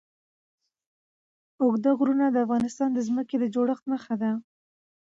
اوږده غرونه د افغانستان د ځمکې د جوړښت نښه ده.